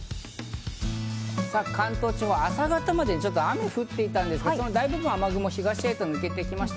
関東地方、朝方まで雨が降っていたんですが大部分、雨雲が東へ抜けていきました。